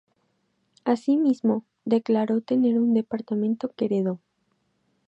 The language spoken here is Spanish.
Así mismo, declaró tener un departamento que heredó.